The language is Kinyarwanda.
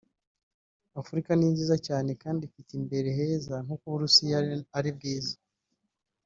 Afurika ni nziza cyane kandi ifite imbere heza nk’uko n’u Burusiya ari bwiza